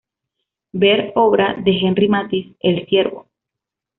Ver obra de Henri Matisse: El siervo.